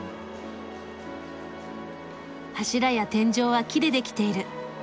柱や天井は木で出来ている。